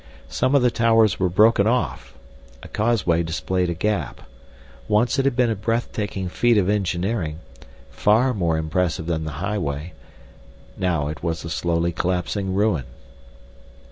Some of the towers were broken off, a causeway displayed a gap Once it had been a breathtaking feat of engineering, far more impressive than the highway, now it was a slowly collapsing ruin.